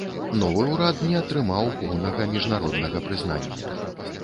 Новы ўрад не атрымаў поўнага міжнароднага прызнання.